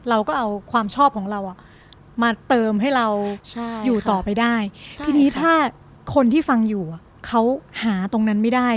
เราก็เอาความชอบของเรามาเติมให้เราอยู่ต่อไปได้ทีนี้ถ้าคนที่ฟังอยู่เขาหาตรงนั้นไม่ได้